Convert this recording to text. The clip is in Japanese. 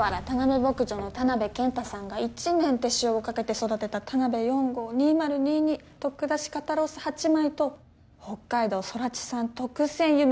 牧場の田辺健太さんが一年手塩にかけて育てた田辺４号２０２２特出し肩ロース８枚と北海道空知産特選ゆめ